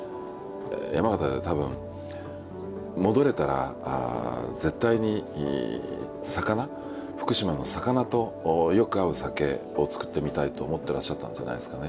山形では多分戻れたら絶対に魚福島の魚とよく合う酒を造ってみたいと思ってらっしゃったんじゃないですかね。